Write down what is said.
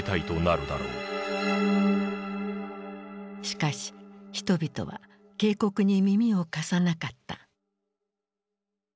しかし人々は警告に耳を貸さなかった。